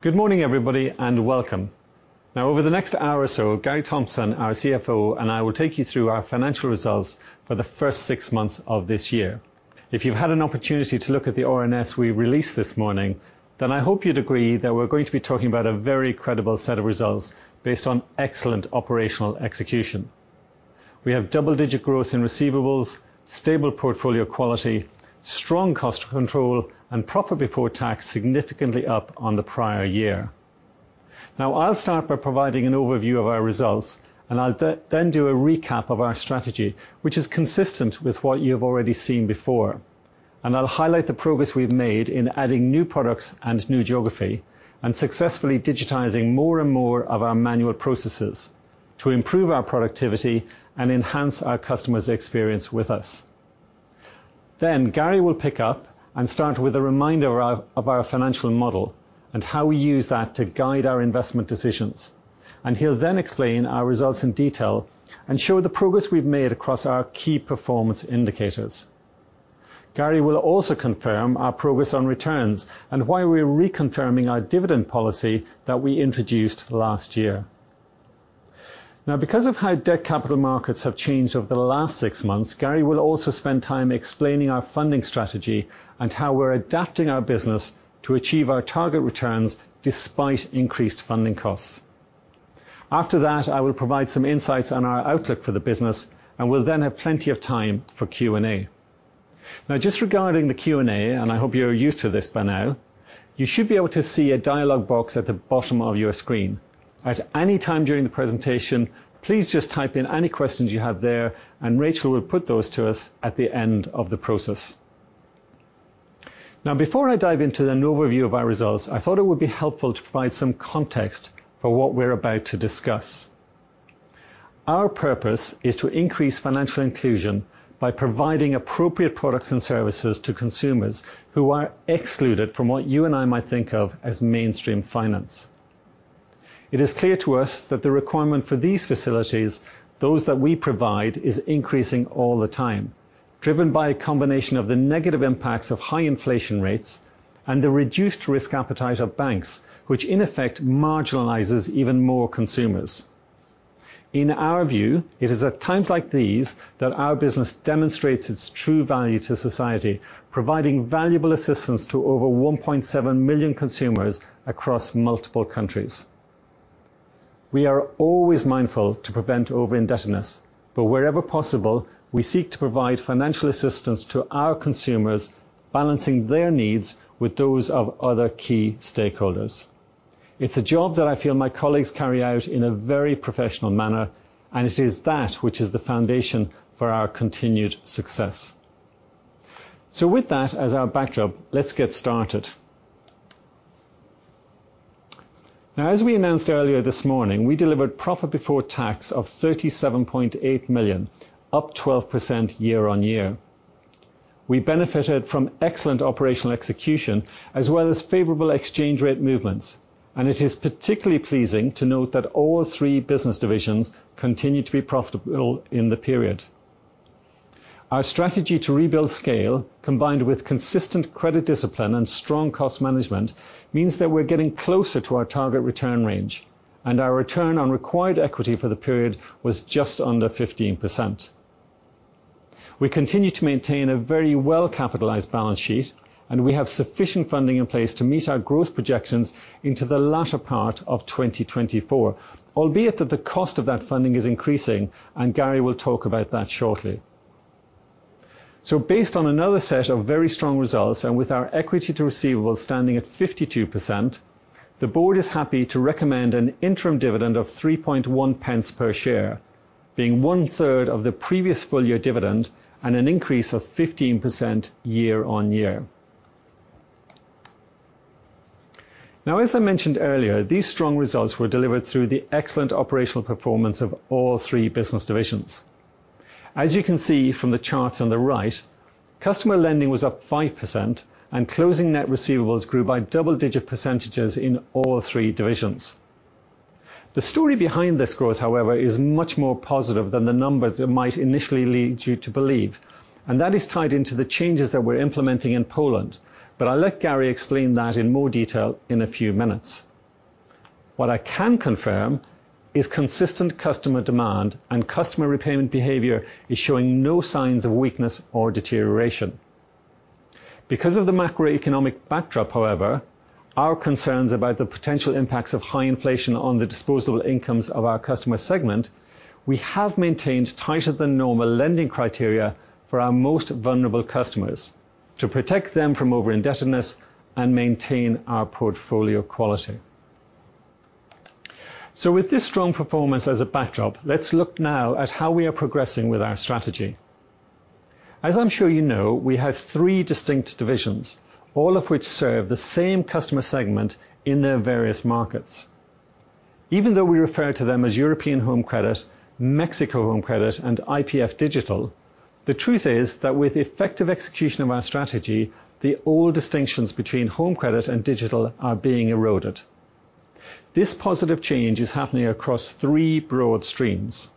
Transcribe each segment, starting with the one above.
Good morning, everybody, and welcome. Over the next hour or so, Gary Thompson, our CFO, and I will take you through our financial results for the first six months of this year. If you've had an opportunity to look at the RNS we released this morning, I hope you'd agree that we're going to be talking about a very credible set of results based on excellent operational execution. We have double-digit growth in receivables, stable portfolio quality, strong cost control, and profit before tax significantly up on the prior year. I'll start by providing an overview of our results, and I'll then do a recap of our strategy, which is consistent with what you've already seen before. I'll highlight the progress we've made in adding new products and new geography, and successfully digitizing more and more of our manual processes to improve our productivity and enhance our customers' experience with us. Gary will pick up and start with a reminder of our financial model and how we use that to guide our investment decisions. He'll then explain our results in detail and show the progress we've made across our key performance indicators. Gary will also confirm our progress on returns and why we're reconfirming our dividend policy that we introduced last year. Now, because of how debt capital markets have changed over the last six months, Gary will also spend time explaining our funding strategy and how we're adapting our business to achieve our target returns despite increased funding costs. After that, I will provide some insights on our outlook for the business, and we'll then have plenty of time for Q&A. Now, just regarding the Q&A, and I hope you're used to this by now, you should be able to see a dialog box at the bottom of your screen. At any time during the presentation, please just type in any questions you have there, and Rachel will put those to us at the end of the process. Now, before I dive into an overview of our results, I thought it would be helpful to provide some context for what we're about to discuss. Our purpose is to increase financial inclusion by providing appropriate products and services to consumers who are excluded from what you and I might think of as mainstream finance. It is clear to us that the requirement for these facilities, those that we provide, is increasing all the time, driven by a combination of the negative impacts of high inflation rates and the reduced risk appetite of banks, which in effect, marginalizes even more consumers. In our view, it is at times like these that our business demonstrates its true value to society, providing valuable assistance to over 1.7 million consumers across multiple countries. We are always mindful to prevent over-indebtedness. Wherever possible, we seek to provide financial assistance to our consumers, balancing their needs with those of other key stakeholders. It's a job that I feel my colleagues carry out in a very professional manner. It is that which is the foundation for our continued success. With that as our backdrop, let's get started. Now, as we announced earlier this morning, we delivered profit before tax of 37.8 million, up 12% year on year. We benefited from excellent operational execution, as well as favorable exchange rate movements, and it is particularly pleasing to note that all three business divisions continued to be profitable in the period. Our strategy to rebuild scale, combined with consistent credit discipline and strong cost management, means that we're getting closer to our target return range, and our return on required equity for the period was just under 15%. We continue to maintain a very well-capitalized balance sheet, and we have sufficient funding in place to meet our growth projections into the latter part of 2024, albeit that the cost of that funding is increasing, and Gary will talk about that shortly. Based on another set of very strong results, and with our equity to receivables standing at 52%, the board is happy to recommend an interim dividend of 0.031 per share, being one third of the previous full year dividend and an increase of 15% year-on-year. As I mentioned earlier, these strong results were delivered through the excellent operational performance of all three business divisions. As you can see from the charts on the right, customer lending was up 5%, and closing net receivables grew by double-digit percentages in all three divisions. The story behind this growth, however, is much more positive than the numbers might initially lead you to believe, and that is tied into the changes that we're implementing in Poland. I'll let Gary explain that in more detail in a few minutes. What I can confirm is consistent customer demand, and customer repayment behavior is showing no signs of weakness or deterioration. Because of the macroeconomic backdrop, however, our concerns about the potential impacts of high inflation on the disposable incomes of our customer segment, we have maintained tighter than normal lending criteria for our most vulnerable customers to protect them from overindebtedness and maintain our portfolio quality. With this strong performance as a backdrop, let's look now at how we are progressing with our strategy. As I'm sure you know, we have three distinct divisions, all of which serve the same customer segment in their various markets. Even though we refer to them as European Home Credit, Mexico Home Credit, and IPF Digital, the truth is that with effective execution of our strategy, the old distinctions between home credit and digital are being eroded. This positive change is happening across three broad streams.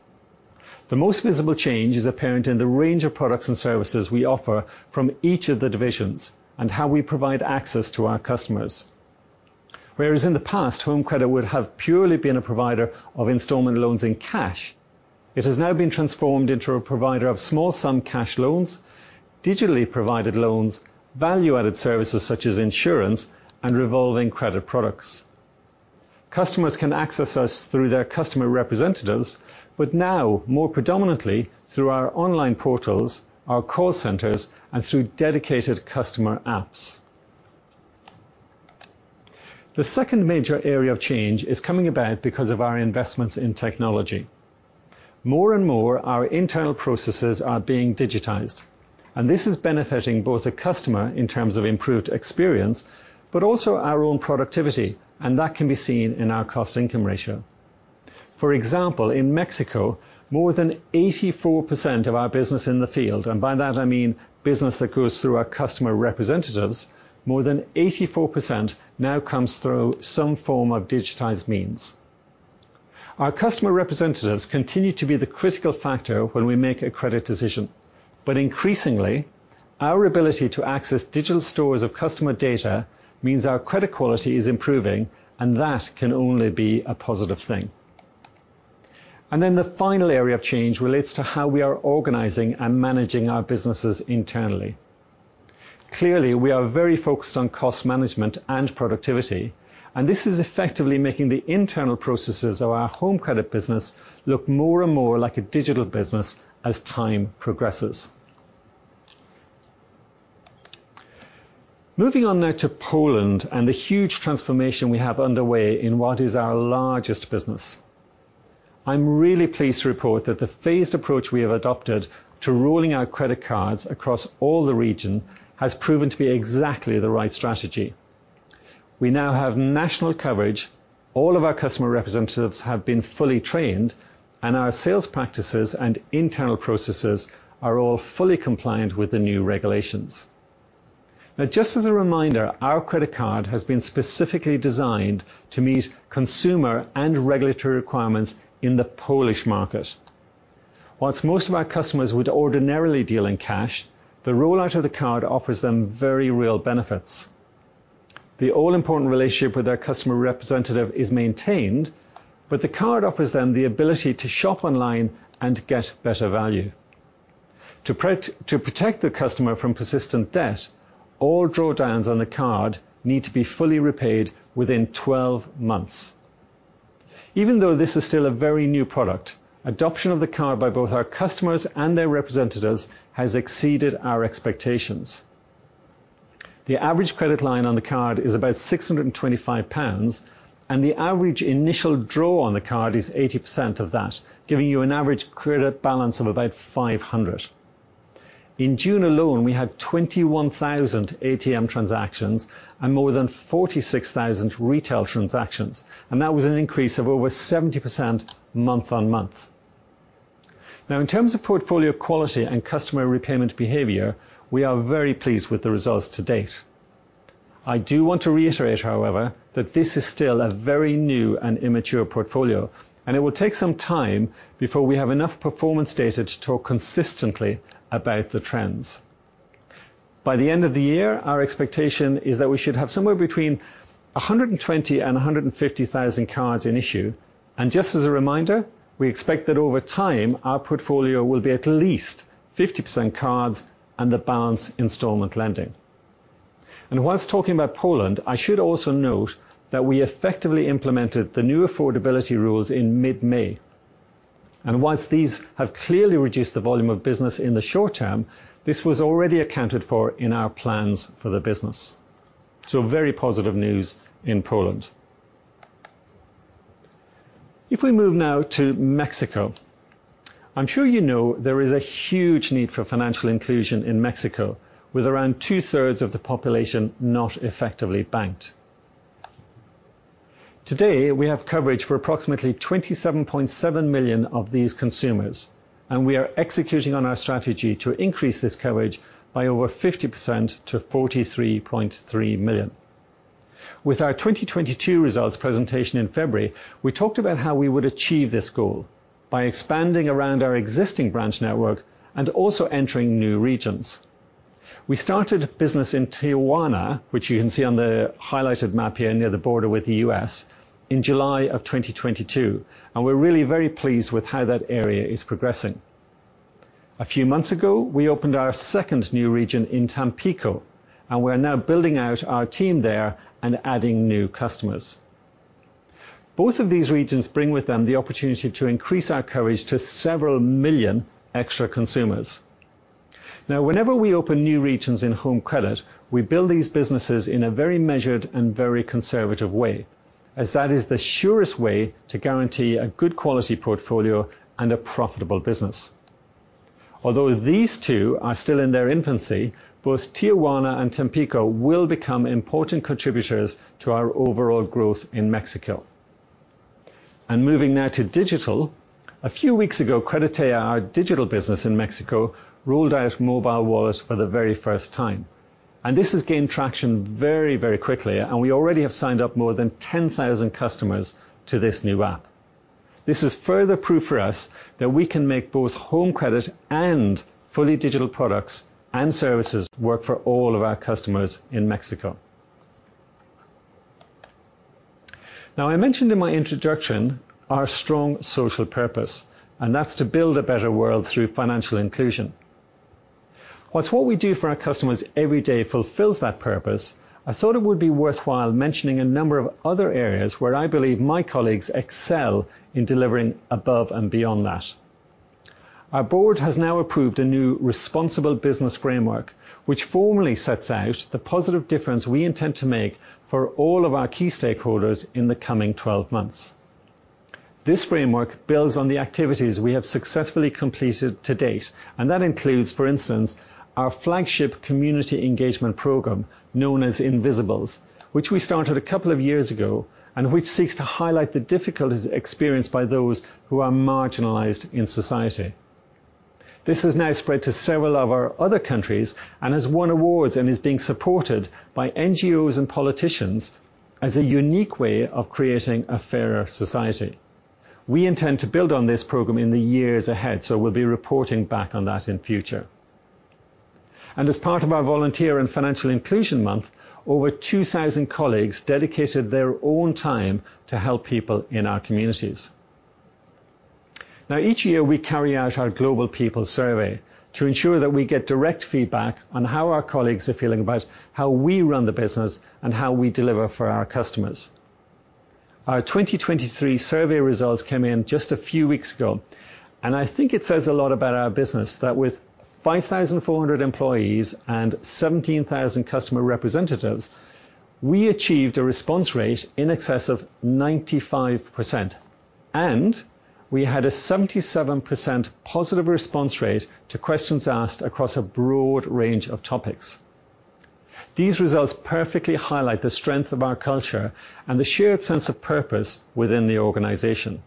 The most visible change is apparent in the range of products and services we offer from each of the divisions and how we provide access to our customers. Whereas in the past, Home Credit would have purely been a provider of installment loans in cash, it has now been transformed into a provider of small sum cash loans, digitally provided loans, value-added services such as insurance and revolving credit products. Customers can access us through their customer representatives, but now, more predominantly through our online portals, our call centers, and through dedicated customer apps. The second major area of change is coming about because of our investments in technology. More and more, our internal processes are being digitized, this is benefiting both the customer in terms of improved experience, but also our own productivity, and that can be seen in our cost-income ratio. For example, in Mexico, more than 84% of our business in the field, and by that I mean business that goes through our customer representatives, more than 84% now comes through some form of digitized means. Our customer representatives continue to be the critical factor when we make a credit decision, but increasingly, our ability to access digital stores of customer data means our credit quality is improving, and that can only be a positive thing. Then the final area of change relates to how we are organizing and managing our businesses internally. Clearly, we are very focused on cost management and productivity, and this is effectively making the internal processes of our Home Credit business look more and more like a digital business as time progresses. Moving on now to Poland and the huge transformation we have underway in what is our largest business. I'm really pleased to report that the phased approach we have adopted to rolling out credit cards across all the region has proven to be exactly the right strategy. We now have national coverage. All of our customer representatives have been fully trained, and our sales practices and internal processes are all fully compliant with the new regulations. Now, just as a reminder, our credit card has been specifically designed to meet consumer and regulatory requirements in the Polish market. Whilst most of our customers would ordinarily deal in cash, the rollout of the card offers them very real benefits. The all-important relationship with their customer representative is maintained, but the card offers them the ability to shop online and get better value. To protect the customer from persistent debt, all drawdowns on the card need to be fully repaid within 12 months. Even though this is still a very new product, adoption of the card by both our customers and their representatives has exceeded our expectations. The average credit line on the card is about 625 pounds, and the average initial draw on the card is 80% of that, giving you an average credit balance of about 500. In June alone, we had 21,000 ATM transactions and more than 46,000 retail transactions, and that was an increase of over 70% month-on-month. Now, in terms of portfolio quality and customer repayment behavior, we are very pleased with the results to date. I do want to reiterate, however, that this is still a very new and immature portfolio, and it will take some time before we have enough performance data to talk consistently about the trends. By the end of the year, our expectation is that we should have somewhere between 120,000 and 150,000 cards in issue. Just as a reminder, we expect that over time, our portfolio will be at least 50% cards and the balance installment lending. Whilst talking about Poland, I should also note that we effectively implemented the new affordability rules in mid-May. Whilst these have clearly reduced the volume of business in the short term, this was already accounted for in our plans for the business. Very positive news in Poland. If we move now to Mexico, I'm sure you know there is a huge need for financial inclusion in Mexico, with around 2/3 of the population not effectively banked. Today, we have coverage for approximately 27.7 million of these consumers, and we are executing on our strategy to increase this coverage by over 50% to 43.3 million. With our 2022 results presentation in February, we talked about how we would achieve this goal by expanding around our existing branch network and also entering new regions. We started business in Tijuana, which you can see on the highlighted map here near the border with the U.S., in July of 2022. We're really very pleased with how that area is progressing. A few months ago, we opened our second new region in Tampico. We are now building out our team there and adding new customers. Both of these regions bring with them the opportunity to increase our coverage to several million extra consumers. Now, whenever we open new regions in Home Credit, we build these businesses in a very measured and very conservative way, as that is the surest way to guarantee a good quality portfolio and a profitable business. Although these two are still in their infancy, both Tijuana and Tampico will become important contributors to our overall growth in Mexico. Moving now to digital. A few weeks ago, Creditea, our digital business in Mexico, rolled out mobile wallet for the very first time. This has gained traction very, very quickly, and we already have signed up more than 10,000 customers to this new app. This is further proof for us that we can make both home credit and fully digital products and services work for all of our customers in Mexico. I mentioned in my introduction our strong social purpose, and that's to build a better world through financial inclusion. While what we do for our customers every day fulfills that purpose, I thought it would be worthwhile mentioning a number of other areas where I believe my colleagues excel in delivering above and beyond that. Our board has now approved a new responsible business framework, which formally sets out the positive difference we intend to make for all of our key stakeholders in the coming 12 months. This framework builds on the activities we have successfully completed to date, and that includes, for instance, our flagship community engagement program, known as Invisibles, which we started a couple of years ago, and which seeks to highlight the difficulties experienced by those who are marginalized in society. This has now spread to several of our other countries and has won awards and is being supported by NGOs and politicians as a unique way of creating a fairer society. We intend to build on this program in the years ahead, so we'll be reporting back on that in future. As part of our Volunteer and Financial Inclusion Month, over 2,000 colleagues dedicated their own time to help people in our communities. Each year, we carry out our global people survey to ensure that we get direct feedback on how our colleagues are feeling about how we run the business and how we deliver for our customers. Our 2023 survey results came in just a few weeks ago. I think it says a lot about our business, that with 5,400 employees and 17,000 customer representatives, we achieved a response rate in excess of 95%, and we had a 77% positive response rate to questions asked across a broad range of topics. These results perfectly highlight the strength of our culture and the shared sense of purpose within the organization.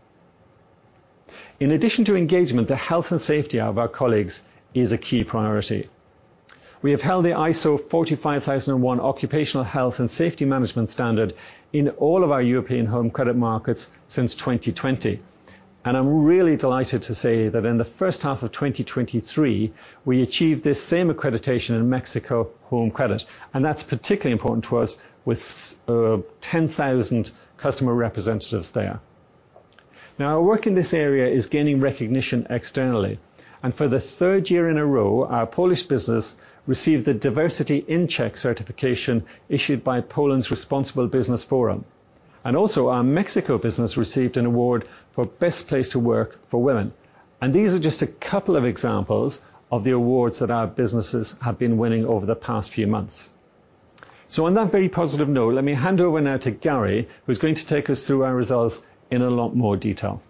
In addition to engagement, the health and safety of our colleagues is a key priority. We have held the ISO 45001 occupational health and safety management standard in all of our European Home Credit markets since 2020. I'm really delighted to say that in the first half of 2023, we achieved this same accreditation in Mexico Home Credit, and that's particularly important to us with 10,000 customer representatives there. Now, our work in this area is gaining recognition externally, for the third year in a row, our Polish business received the Diversity IN Check certification issued by Poland's Responsible Business Forum. Also, our Mexico business received an award for Best Place to Work for Women. These are just a couple of examples of the awards that our businesses have been winning over the past few months. On that very positive note, let me hand over now to Gary, who's going to take us through our results in a lot more detail.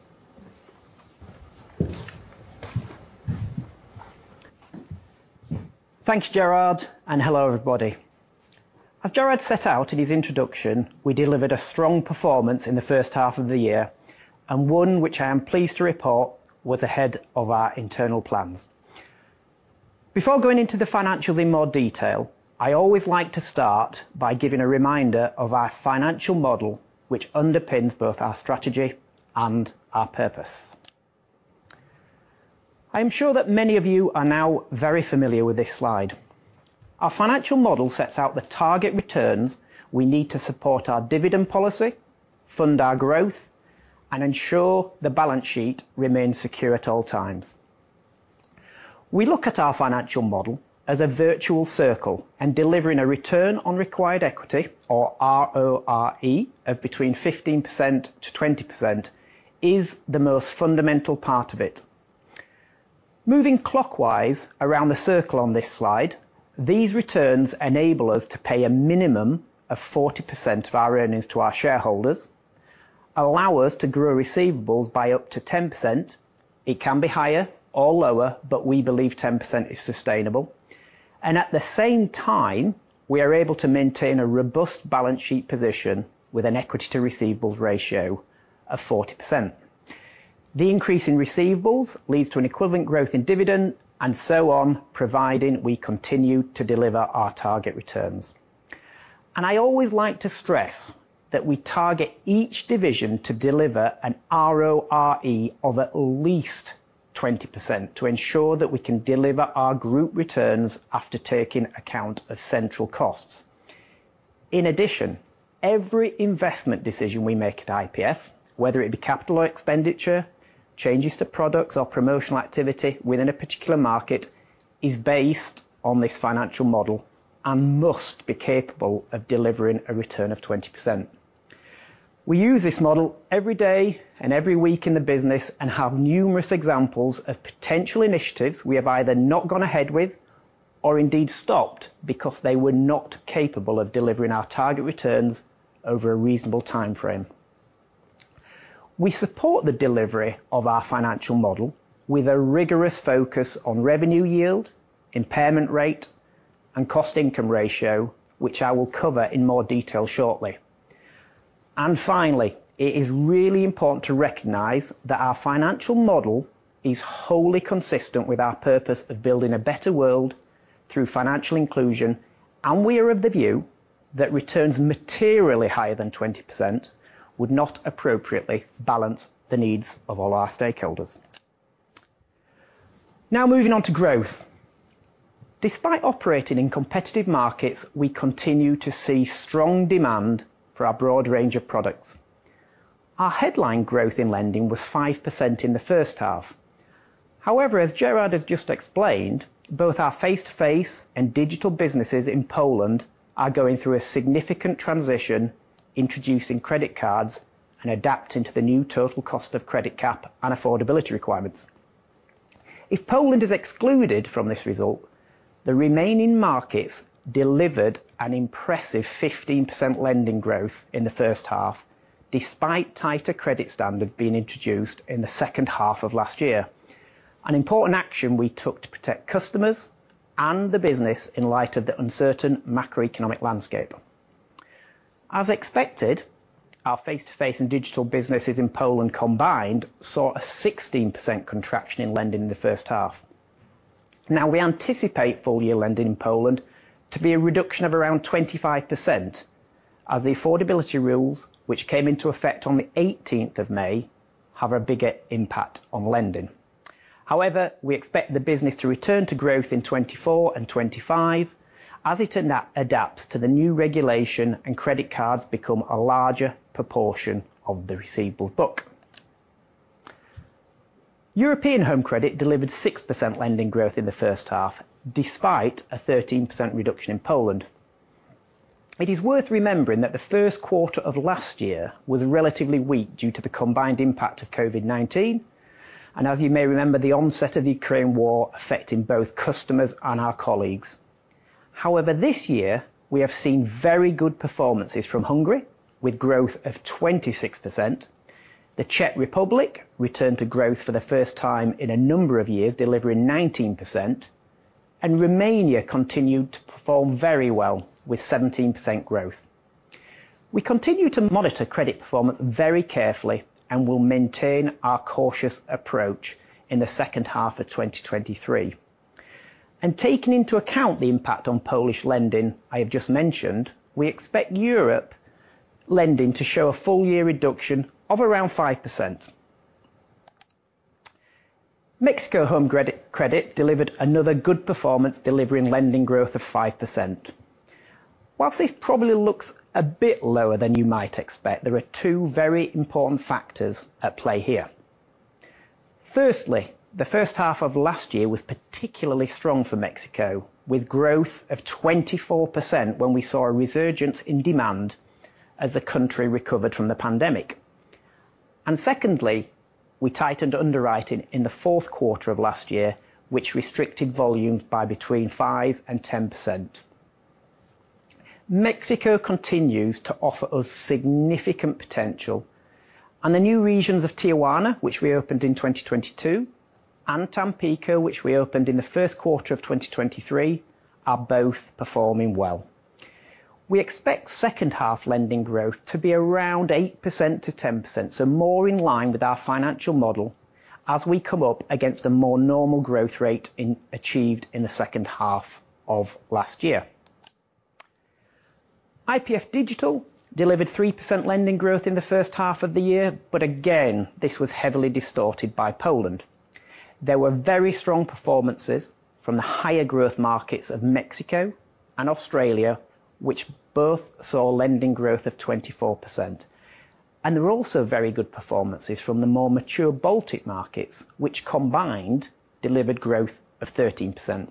Thanks, Gerard. Hello, everybody. As Gerard set out in his introduction, we delivered a strong performance in the first half of the year, and one which I am pleased to report was ahead of our internal plans. Before going into the financials in more detail, I always like to start by giving a reminder of our financial model, which underpins both our strategy and our purpose. I am sure that many of you are now very familiar with this slide. Our financial model sets out the target returns we need to support our dividend policy, fund our growth, and ensure the balance sheet remains secure at all times. We look at our financial model as a virtual circle, delivering a return on required equity or RORE of between 15%-20% is the most fundamental part of it. Moving clockwise around the circle on this slide, these returns enable us to pay a minimum of 40% of our earnings to our shareholders, allow us to grow receivables by up to 10%. It can be higher or lower, but we believe 10% is sustainable. At the same time, we are able to maintain a robust balance sheet position with an equity to receivables ratio of 40%. The increase in receivables leads to an equivalent growth in dividend, and so on, providing we continue to deliver our target returns. I always like to stress that we target each division to deliver an RORE of at least 20% to ensure that we can deliver our group returns after taking account of central costs. In addition, every investment decision we make at IPF, whether it be capital or expenditure, changes to products or promotional activity within a particular market, is based on this financial model and must be capable of delivering a return of 20%. We use this model every day and every week in the business and have numerous examples of potential initiatives we have either not gone ahead with or indeed stopped because they were not capable of delivering our target returns over a reasonable timeframe. We support the delivery of our financial model with a rigorous focus on revenue yield, impairment rate, and cost-income ratio, which I will cover in more detail shortly. Finally, it is really important to recognize that our financial model is wholly consistent with our purpose of building a better world through financial inclusion, and we are of the view that returns materially higher than 20% would not appropriately balance the needs of all our stakeholders. Moving on to growth. Despite operating in competitive markets, we continue to see strong demand for our broad range of products. Our headline growth in lending was 5% in the first half. However, as Gerard has just explained, both our face-to-face and digital businesses in Poland are going through a significant transition, introducing credit cards and adapting to the new Total Cost of Credit cap and affordability requirements. If Poland is excluded from this result, the remaining markets delivered an impressive 15% lending growth in the first half, despite tighter credit standards being introduced in the second half of last year, an important action we took to protect customers and the business in light of the uncertain macroeconomic landscape. As expected, our face-to-face and digital businesses in Poland combined, saw a 16% contraction in lending in the first half. We anticipate full-year lending in Poland to be a reduction of around 25%, as the affordability rules, which came into effect on the 18th of May, have a bigger impact on lending. However, we expect the business to return to growth in 2024 and 2025, as it adapts to the new regulation and credit cards become a larger proportion of the receivables book. European Home Credit delivered 6% lending growth in the first half, despite a 13% reduction in Poland. It is worth remembering that the first quarter of last year was relatively weak due to the combined impact of COVID-19, and as you may remember, the onset of the Ukraine war affecting both customers and our colleagues. This year we have seen very good performances from Hungary, with growth of 26%. The Czech Republic returned to growth for the first time in a number of years, delivering 19%, and Romania continued to perform very well with 17% growth. We continue to monitor credit performance very carefully and will maintain our cautious approach in the second half of 2023. Taking into account the impact on Polish lending I have just mentioned, we expect Europe lending to show a full year reduction of around 5%. Mexico Home Credit delivered another good performance, delivering lending growth of 5%. Whilst this probably looks a bit lower than you might expect, there are two very important factors at play here. Firstly, the first half of last year was particularly strong for Mexico, with growth of 24% when we saw a resurgence in demand as the country recovered from the pandemic. Secondly, we tightened underwriting in the fourth quarter of last year, which restricted volumes by between 5% and 10%. Mexico continues to offer us significant potential and the new regions of Tijuana, which we opened in 2022, and Tampico, which we opened in the first quarter of 2023, are both performing well. We expect second half lending growth to be around 8%-10%, so more in line with our financial model as we come up against a more normal growth rate in achieved in the second half of last year. IPF Digital delivered 3% lending growth in the first half of the year. Again, this was heavily distorted by Poland. There were very strong performances from the higher growth markets of Mexico and Australia, which both saw lending growth of 24%. There were also very good performances from the more mature Baltic markets, which combined delivered growth of 13%.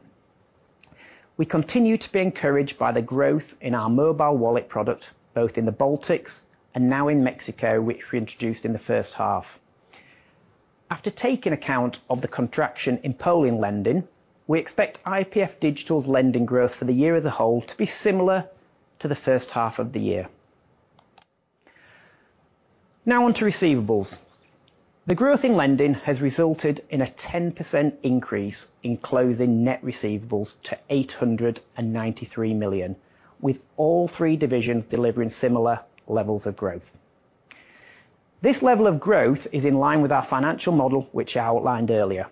We continue to be encouraged by the growth in our mobile wallet product, both in the Baltics and now in Mexico, which we introduced in the first half. After taking account of the contraction in Poland lending, we expect IPF Digital's lending growth for the year as a whole to be similar to the first half of the year. Now on to receivables. The growth in lending has resulted in a 10% increase in closing net receivables to 893 million, with all three divisions delivering similar levels of growth. This level of growth is in line with our financial model, which I outlined earlier.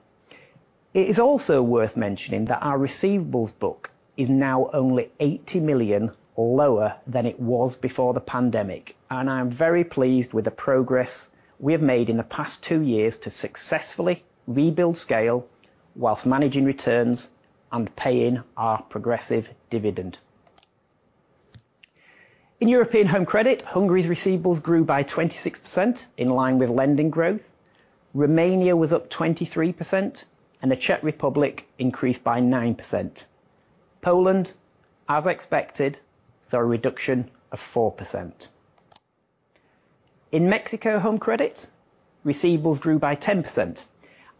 It is also worth mentioning that our receivables book is now only 80 million lower than it was before the pandemic, and I am very pleased with the progress we have made in the past two years to successfully rebuild scale whilst managing returns and paying our progressive dividend. In European Home Credit, Hungary's receivables grew by 26% in line with lending growth. Romania was up 23% and the Czech Republic increased by 9%. Poland, as expected, saw a reduction of 4%. In Mexico Home Credit, receivables grew by 10%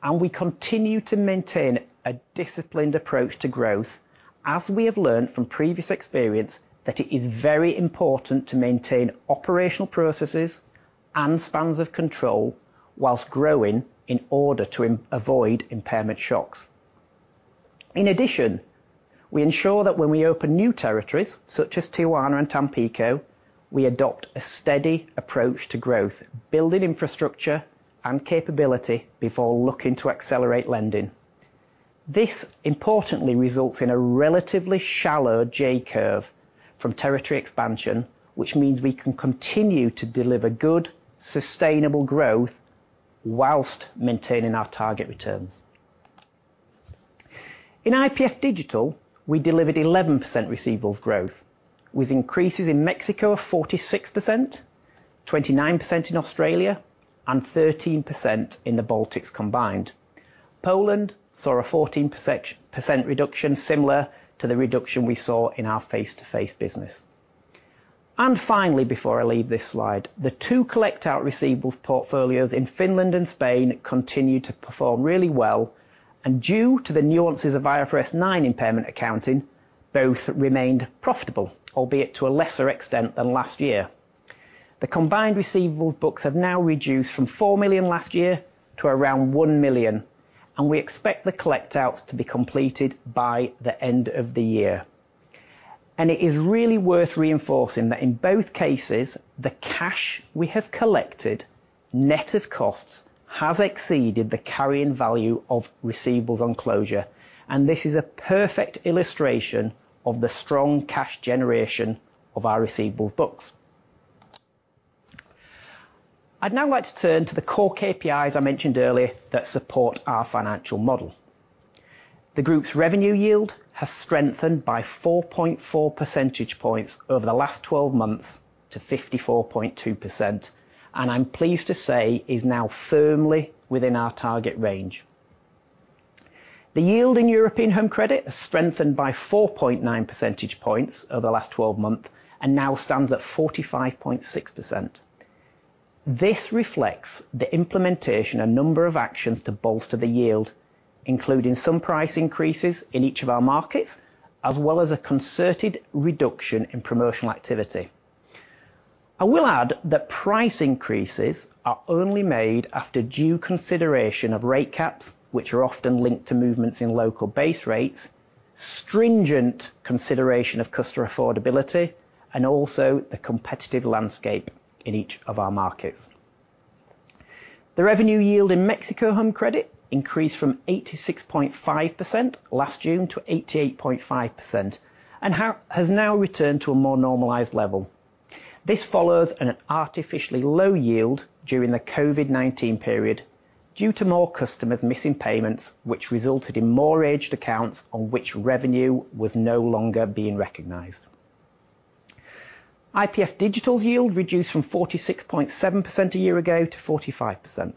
and we continue to maintain a disciplined approach to growth as we have learned from previous experience, that it is very important to maintain operational processes and spans of control whilst growing, in order to avoid impairment shocks. In addition, we ensure that when we open new territories, such as Tijuana and Tampico, we adopt a steady approach to growth, building infrastructure and capability before looking to accelerate lending. This importantly results in a relatively shallow J-curve from territory expansion, which means we can continue to deliver good, sustainable growth whilst maintaining our target returns. In IPF Digital, we delivered 11% receivables growth, with increases in Mexico of 46%, 29% in Australia, and 13% in the Baltics combined. Poland saw a 14% reduction, similar to the reduction we saw in our face-to-face business. Finally, before I leave this slide, the two collect out receivables portfolios in Finland and Spain continued to perform really well, and due to the nuances of IFRS 9 impairment accounting, both remained profitable, albeit to a lesser extent than last year. The combined receivables books have now reduced from 4 million last year to around 1 million, and we expect the collect outs to be completed by the end of the year. It is really worth reinforcing that in both cases, the cash we have collected, net of costs, has exceeded the carrying value of receivables on closure, and this is a perfect illustration of the strong cash generation of our receivables books. I'd now like to turn to the core KPIs I mentioned earlier that support our financial model. The group's revenue yield has strengthened by 4.4 percentage points over the last 12 months to 54.2%, and I'm pleased to say, is now firmly within our target range. The yield in European Home Credit has strengthened by 4.9 percentage points over the last 12 months and now stands at 45.6%. This reflects the implementation and number of actions to bolster the yield, including some price increases in each of our markets, as well as a concerted reduction in promotional activity. I will add that price increases are only made after due consideration of rate caps, which are often linked to movements in local base rates, stringent consideration of customer affordability, and also the competitive landscape in each of our markets. The revenue yield in Mexico Home Credit increased from 86.5% last June to 88.5%, has now returned to a more normalized level. This follows an artificially low yield during the COVID-19 period, due to more customers missing payments, which resulted in more aged accounts on which revenue was no longer being recognized. IPF Digital's yield reduced from 46.7% a year ago to 45%.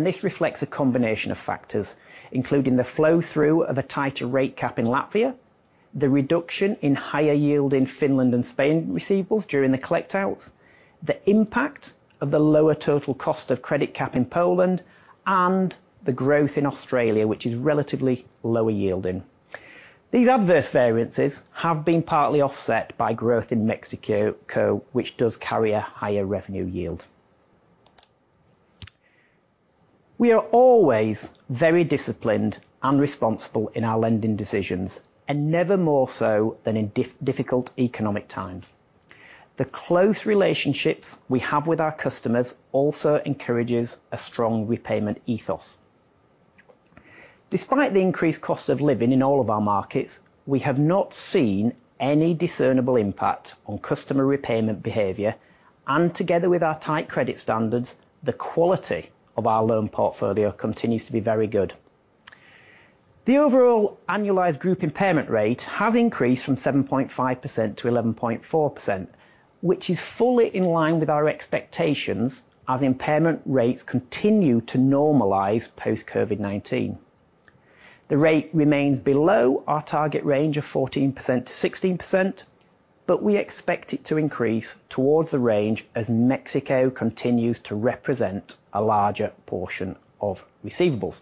This reflects a combination of factors, including the flow-through of a tighter rate cap in Latvia, the reduction in higher yield in Finland and Spain receivables during the collect outs, the impact of the lower total cost of credit cap in Poland, and the growth in Australia, which is relatively lower yielding. These adverse variances have been partly offset by growth in Mexico, which does carry a higher revenue yield. We are always very disciplined and responsible in our lending decisions and never more so than in difficult economic times. The close relationships we have with our customers also encourages a strong repayment ethos. Despite the increased cost of living in all of our markets, we have not seen any discernible impact on customer repayment behavior, together with our tight credit standards, the quality of our loan portfolio continues to be very good. The overall annualized group impairment rate has increased from 7.5%-11.4%, which is fully in line with our expectations as impairment rates continue to normalize post COVID-19. The rate remains below our target range of 14%-16%, we expect it to increase towards the range as Mexico continues to represent a larger portion of receivables.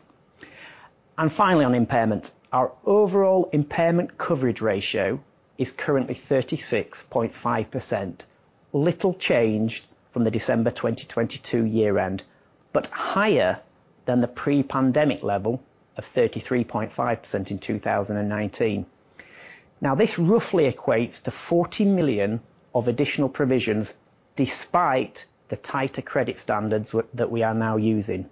Finally, on impairment. Our overall impairment coverage ratio is currently 36.5%. Little change from the December 2022 year end, higher than the pre-pandemic level of 33.5% in 2019. This roughly equates to 40 million of additional provisions, despite the tighter credit standards that we are now using.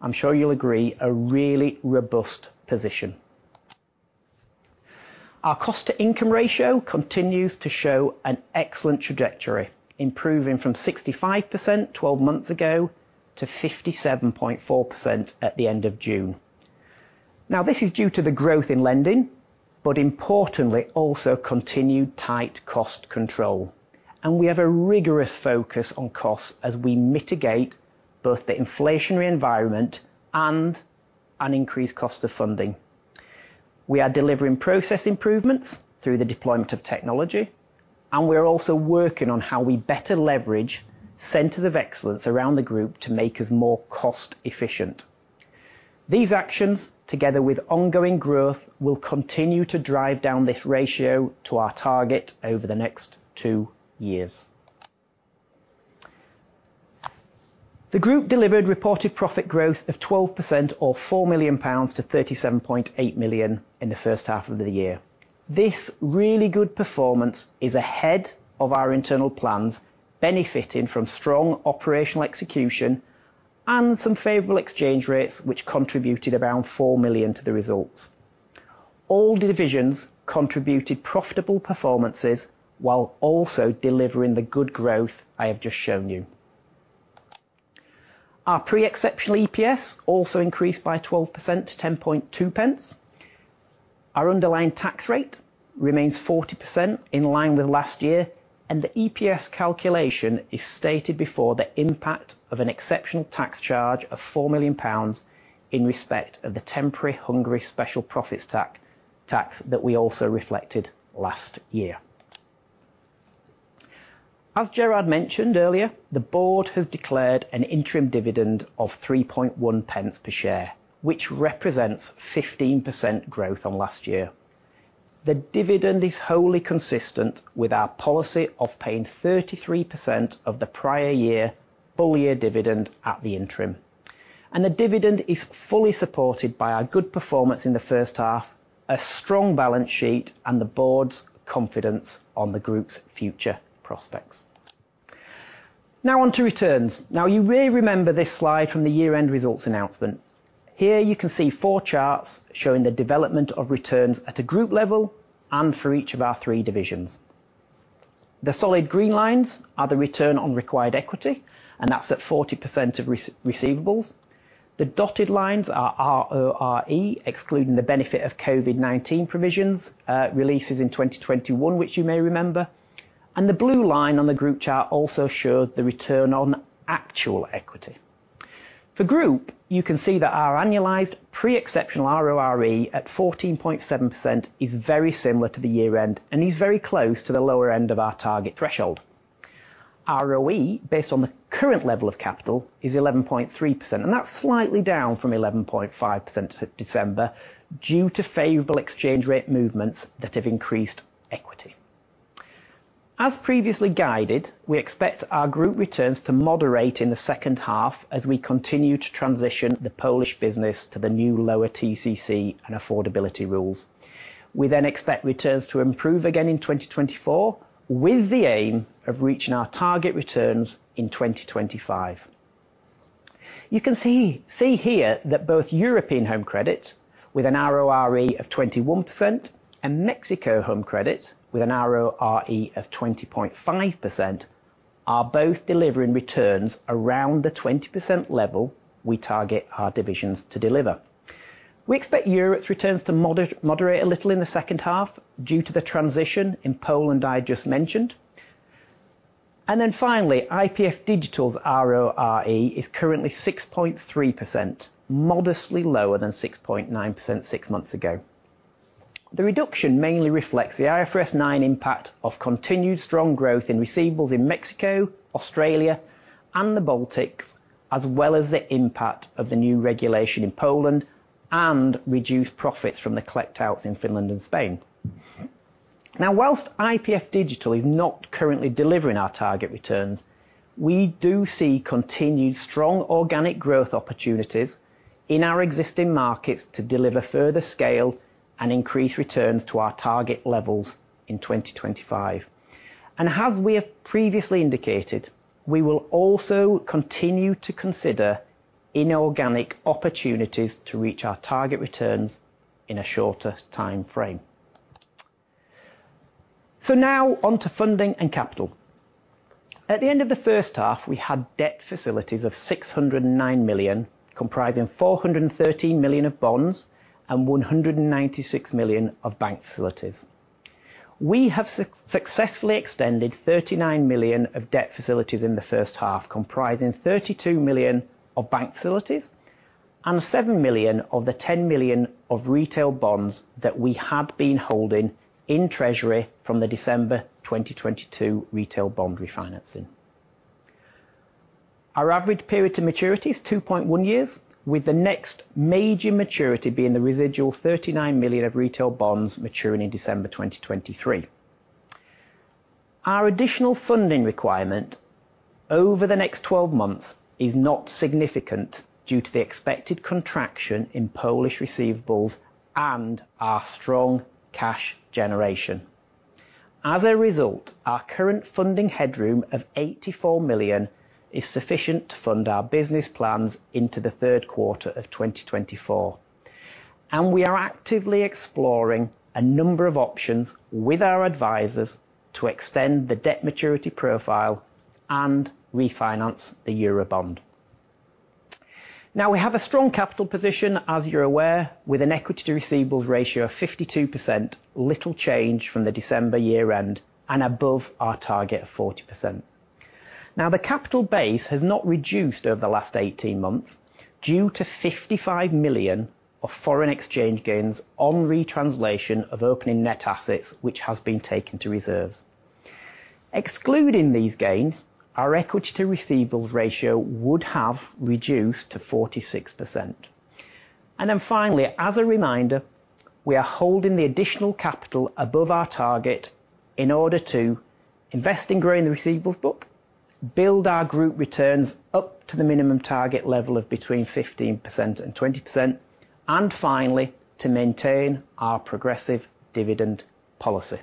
I'm sure you'll agree, a really robust position. Our cost-income ratio continues to show an excellent trajectory, improving from 65% 12 months ago to 57.4% at the end of June. This is due to the growth in lending, but importantly, also continued tight cost control. We have a rigorous focus on costs as we mitigate both the inflationary environment and an increased cost of funding. We are delivering process improvements through the deployment of technology, and we are also working on how we better leverage centers of excellence around the group to make us more cost efficient. These actions, together with ongoing growth, will continue to drive down this ratio to our target over the next two years. The group delivered reported profit growth of 12% or 4 million-37.8 million pounds in the first half of the year. This really good performance is ahead of our internal plans, benefiting from strong operational execution and some favorable exchange rates, which contributed around 4 million to the results. All divisions contributed profitable performances while also delivering the good growth I have just shown you. Our pre-exceptional EPS also increased by 12% to 10.2 pence. Our underlying tax rate remains 40% in line with last year. The EPS calculation is stated before the impact of an exceptional tax charge of 4 million pounds in respect of the temporary Hungary special profits tax, tax that we also reflected last year. As Gerard mentioned earlier, the board has declared an interim dividend of 3.1 pence per share, which represents 15% growth on last year. The dividend is wholly consistent with our policy of paying 33% of the prior year, full year dividend at the interim, and the dividend is fully supported by our good performance in the first half, a strong balance sheet, and the board's confidence on the group's future prospects. Now on to returns. Now, you may remember this slide from the year-end results announcement. Here, you can see four charts showing the development of returns at a group level and for each of our three divisions. The solid green lines are the return on required equity, and that's at 40% of receivables. The dotted lines are RORE, excluding the benefit of COVID-19 provisions, releases in 2021, which you may remember, and the blue line on the group chart also shows the return on actual equity. For group, you can see that our annualized pre-exceptional RORE at 14.7% is very similar to the year-end and is very close to the lower end of our target threshold. ROE, based on the current level of capital, is 11.3%, and that's slightly down from 11.5% December, due to favorable exchange rate movements that have increased equity. As previously guided, we expect our group returns to moderate in the second half as we continue to transition the Polish business to the new lower TCC and affordability rules. We expect returns to improve again in 2024, with the aim of reaching our target returns in 2025. You can see here that both European Home Credit, with an RORE of 21% and Mexico Home Credit, with an RORE of 20.5%, are both delivering returns around the 20% level we target our divisions to deliver. We expect Europe's returns to moderate a little in the second half due to the transition in Poland I just mentioned. Finally, IPF Digital's RORE is currently 6.3%, modestly lower than 6.9% six months ago. The reduction mainly reflects the IFRS 9 impact of continued strong growth in receivables in Mexico, Australia, and the Baltics, as well as the impact of the new regulation in Poland and reduced profits from the collect outs in Finland and Spain. Whilst IPF Digital is not currently delivering our target returns, we do see continued strong organic growth opportunities in our existing markets to deliver further scale and increase returns to our target levels in 2025. As we have previously indicated, we will also continue to consider inorganic opportunities to reach our target returns in a shorter time frame. Now on to funding and capital. At the end of the first half, we had debt facilities of 609 million, comprising 413 million of bonds and 196 million of bank facilities. We have successfully extended 39 million of debt facilities in the first half, comprising 32 million of bank facilities and 7 million of the 10 million of retail bonds that we had been holding in treasury from the December 2022 retail bond refinancing. Our average period to maturity is 2.1 years, with the next major maturity being the residual 39 million of Retail bonds maturing in December 2023. Our additional funding requirement over the next 12 months is not significant due to the expected contraction in Polish receivables and our strong cash generation. As a result, our current funding headroom of 84 million is sufficient to fund our business plans into the third quarter of 2024, and we are actively exploring a number of options with our advisors to extend the debt maturity profile and refinance the Eurobond. We have a strong capital position, as you're aware, with an equity to receivables ratio of 52%, little change from the December year-end and above our target of 40%. Now, the capital base has not reduced over the last 18 months due to 55 million of foreign exchange gains on retranslation of opening net assets, which has been taken to reserves. Excluding these gains, our equity to receivables ratio would have reduced to 46%. Then finally, as a reminder, we are holding the additional capital above our target in order to invest in growing the receivables book, build our group returns up to the minimum target level of between 15% and 20%, and finally, to maintain our progressive dividend policy.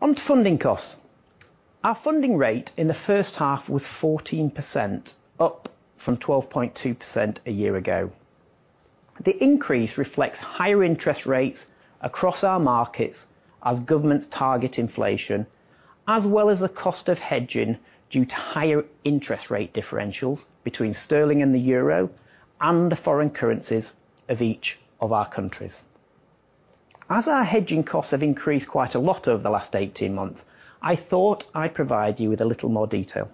On funding costs, our funding rate in the first half was 14%, up from 12.2% a year ago. The increase reflects higher interest rates across our markets as governments target inflation, as well as the cost of hedging due to higher interest rate differentials between sterling and the euro, and the foreign currencies of each of our countries. As our hedging costs have increased quite a lot over the last 18 months, I thought I'd provide you with a little more detail.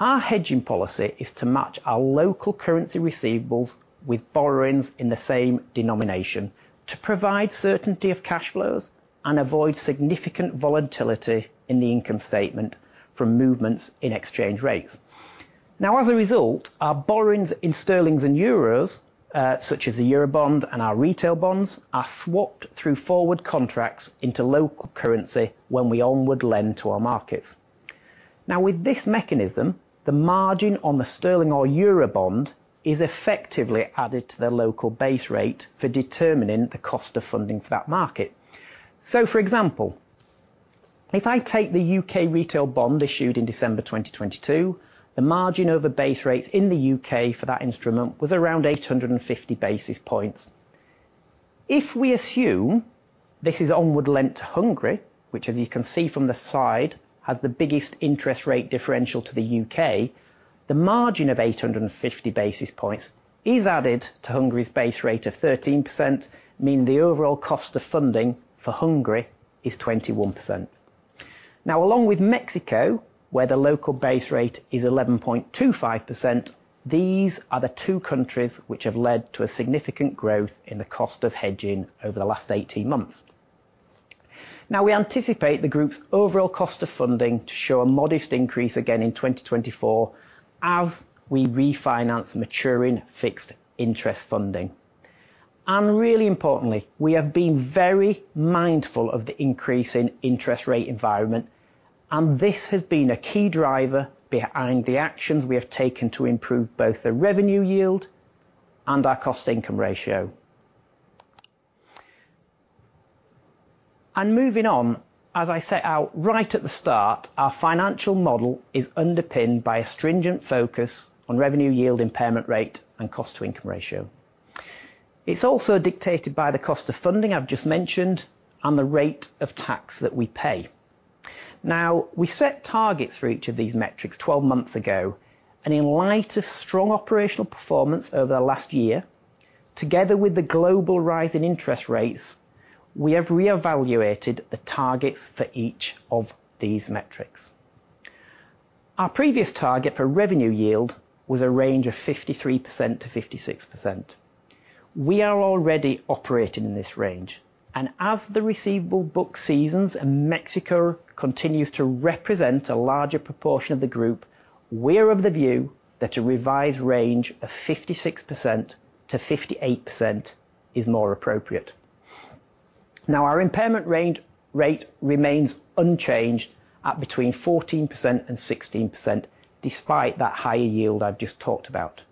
Our hedging policy is to match our local currency receivables with borrowings in the same denomination, to provide certainty of cash flows and avoid significant volatility in the income statement from movements in exchange rates. As a result, our borrowings in sterling and euros, such as the Eurobond and our retail bonds, are swapped through forward contracts into local currency when we onward lend to our markets. With this mechanism, the margin on the sterling or Eurobond is effectively added to the local base rate for determining the cost of funding for that market. For example, if I take the UK retail bond issued in December 2022, the margin over base rates in the UK for that instrument was around 850 basis points. If we assume this is onward lent to Hungary, which, as you can see from the side, has the biggest interest rate differential to the UK, the margin of 850 basis points is added to Hungary's base rate of 13%, meaning the overall cost of funding for Hungary is 21%. Along with Mexico, where the local base rate is 11.25%, these are the two countries which have led to a significant growth in the cost of hedging over the last 18 months. We anticipate the group's overall cost of funding to show a modest increase again in 2024 as we refinance maturing fixed interest funding. Really importantly, we have been very mindful of the increase in interest rate environment, and this has been a key driver behind the actions we have taken to improve both the revenue yield and our cost-income ratio. Moving on, as I set out right at the start, our financial model is underpinned by a stringent focus on revenue yield, impairment rate, and cost-income ratio. It's also dictated by the cost of funding I've just mentioned and the rate of tax that we pay. We set targets for each of these metrics 12 months ago, and in light of strong operational performance over the last year, together with the global rise in interest rates, we have reevaluated the targets for each of these metrics. Our previous target for revenue yield was a range of 53%-56%. We are already operating in this range, and as the receivable book seasons and Mexico continues to represent a larger proportion of the group, we are of the view that a revised range of 56%-58% is more appropriate. Our impairment rate remains unchanged at between 14% and 16%, despite that higher yield I've just talked about.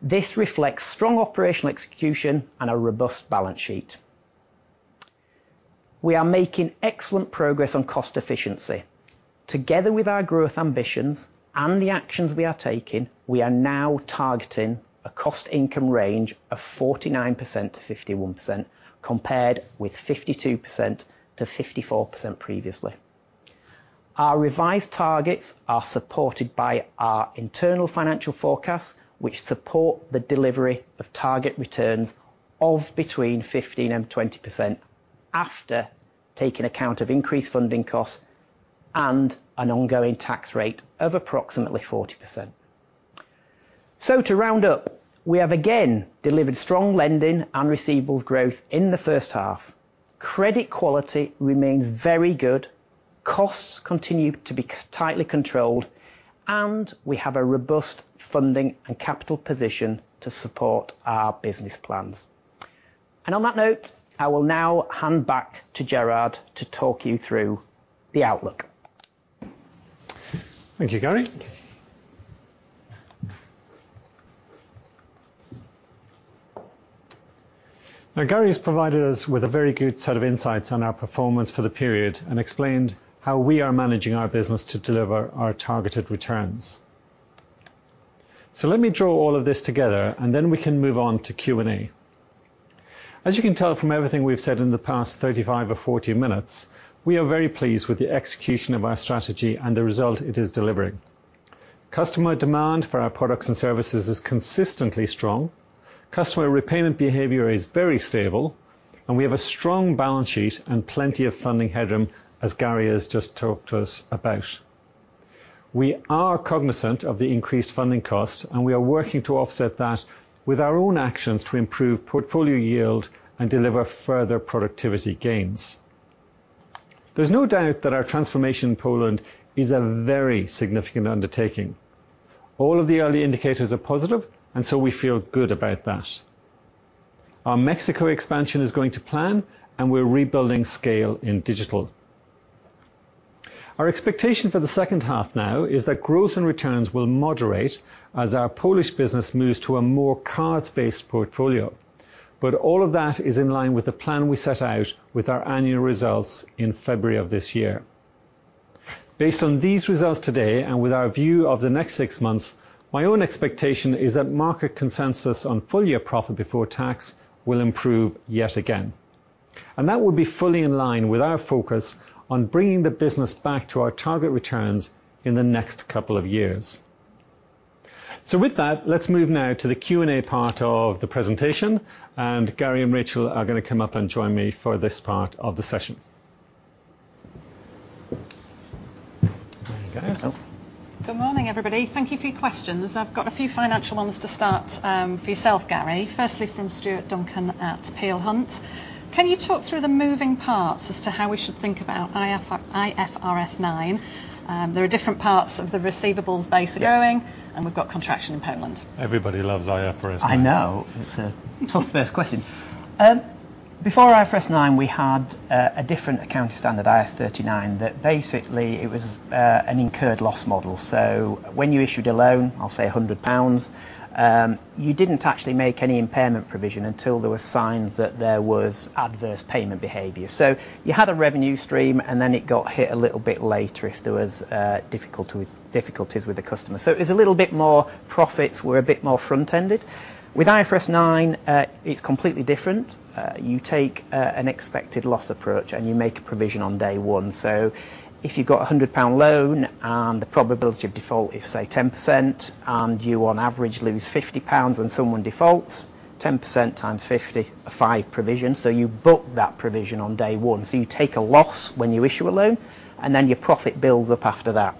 This reflects strong operational execution and a robust balance sheet. We are making excellent progress on cost efficiency. Together with our growth ambitions and the actions we are taking, we are now targeting a cost income range of 49%-51%, compared with 52%-54% previously. Our revised targets are supported by our internal financial forecasts, which support the delivery of target returns of between 15% and 20%, after taking account of increased funding costs and an ongoing tax rate of approximately 40%. To round up, we have again delivered strong lending and receivables growth in the first half. Credit quality remains very good, costs continue to be tightly controlled, and we have a robust funding and capital position to support our business plans. On that note, I will now hand back to Gerard to talk you through the outlook. Thank you, Gary. Now, Gary has provided us with a very good set of insights on our performance for the period and explained how we are managing our business to deliver our targeted returns. Let me draw all of this together, and then we can move on to Q&A. As you can tell from everything we've said in the past 35 or 40 minutes, we are very pleased with the execution of our strategy and the result it is delivering. Customer demand for our products and services is consistently strong, customer repayment behavior is very stable, and we have a strong balance sheet and plenty of funding headroom, as Gary has just talked to us about. We are cognizant of the increased funding costs, and we are working to offset that with our own actions to improve portfolio yield and deliver further productivity gains. There's no doubt that our transformation in Poland is a very significant undertaking. All of the early indicators are positive, and so we feel good about that. Our Mexico expansion is going to plan, and we're rebuilding scale in digital. Our expectation for the second half now is that growth and returns will moderate as our Polish business moves to a more cards-based portfolio. All of that is in line with the plan we set out with our annual results in February of this year. Based on these results today, and with our view of the next six months, my own expectation is that market consensus on full year profit before tax will improve yet again, and that will be fully in line with our focus on bringing the business back to our target returns in the next couple of years. With that, let's move now to the Q&A part of the presentation. Gary and Rachel are going to come up and join me for this part of the session. There you go. Good morning, everybody. Thank you for your questions. I've got a few financial ones to start for yourself, Gary. Firstly, from Stuart Duncan at Peel Hunt. Can you talk through the moving parts as to how we should think about IFRS 9? There are different parts of the receivables base growing and we've got contraction in Poland. Everybody loves IFRS 9. I know. It's a tough first question. Before IFRS 9, we had a different accounting standard, IAS 39, that basically it was an incurred loss model. When you issued a loan, I'll say 100 pounds, you didn't actually make any impairment provision until there were signs that there was adverse payment behavior. You had a revenue stream, and then it got hit a little bit later if there were difficulties with the customer. Profits were a bit more front-ended. With IFRS 9, it's completely different. You take an expected loss approach, and you make a provision on day one. If you've got a 100 pound loan, and the probability of default is, say, 10%, and you on average lose 50 pounds when someone defaults, 10%x 50, a 5 provision. You book that provision on day one. You take a loss when you issue a loan, and then your profit builds up after that.